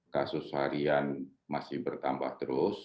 kasus harian masih bertambah terus